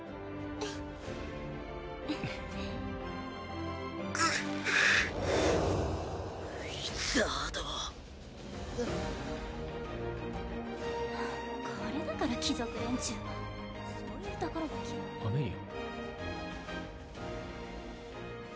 ウィザードこれだから貴族連中はそういうところがアメリア？